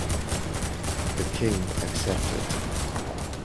The king accepted.